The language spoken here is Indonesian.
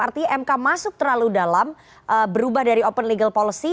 artinya mk masuk terlalu dalam berubah dari open legal policy